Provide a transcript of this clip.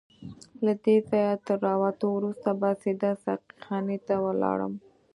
له دې ځایه تر راوتو وروسته به سیده ساقي خانې ته ولاړم.